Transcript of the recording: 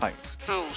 はい。